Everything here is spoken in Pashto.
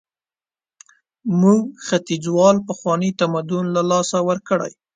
موږ ختیځوالو پخواني تمدنونه له لاسه ورکړي.